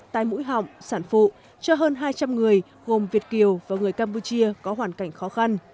tai mũi họng sản phụ cho hơn hai trăm linh người gồm việt kiều và người campuchia có hoàn cảnh khó khăn